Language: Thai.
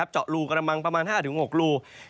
เจาะรูกระมังประมาณ๕๖รู